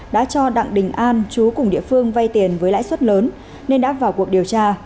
đã cho đặng đình an chú cùng địa phương vay tiền với lãi suất lớn nên đã vào cuộc điều tra